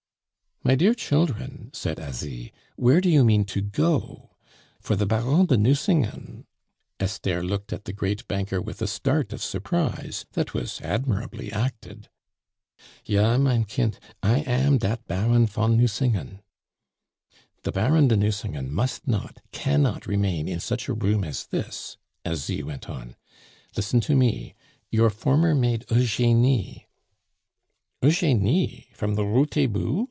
"My dear children," said Asie, "where do you mean to go? For the Baron de Nucingen " Esther looked at the great banker with a start of surprise that was admirably acted. "Ja, mein kind, I am dat Baron von Nucingen." "The Baron de Nucingen must not, cannot remain in such a room as this," Asie went on. "Listen to me; your former maid Eugenie." "Eugenie, from the Rue Taitbout?"